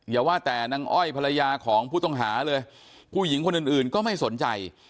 อย่าว่าแต่นางอ้อยภรรยาของผู้ต้องหาเลยผู้หญิงคนอื่นอื่นก็ไม่สนใจ